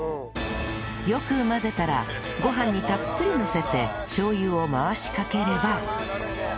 よく混ぜたらご飯にたっぷりのせてしょう油を回しかければ